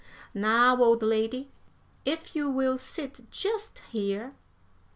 Now, old lady, if you will sit just here."